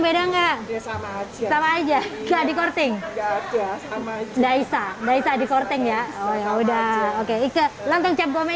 enggak sama aja sama aja jadi korting daisa daisa di korting ya oh ya udah oke oke lontong cap gome